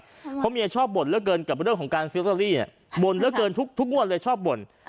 เพราะเมียชอบบ่นเยอะเกินกับเรื่องของการซื้อซอรี่บ่นเยอะเกินทุกงวดเลยชอบบ่น